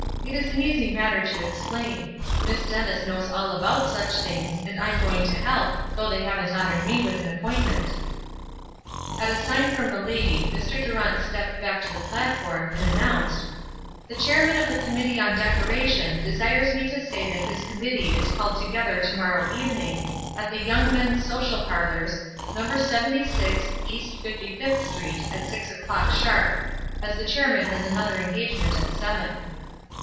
"It is an easy matter to explain; Miss Dennis knows all about such things; and I'm going to help, though they haven't honored me with an appointment." At a sign from the lady, Mr. Durant stepped back to his platform and announced: "The chairman of the Committee on Decoration desires me to say that his committee is called together to morrow evening, at the Young Men's Social Parlors, No. 76 East Fifty fifth Street, at six o'clock, sharp, as the chairman has another engagement at seven."